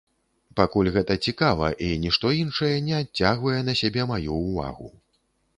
Пакуль гэта цікава, і нішто іншае не адцягвае на сябе маю ўвагу.